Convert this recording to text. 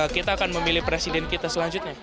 kita akan memilih presiden kita selanjutnya